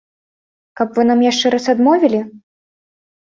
Каб вы нам яшчэ раз адмовілі?